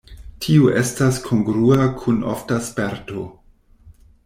Tio estas kongrua kun ofta sperto.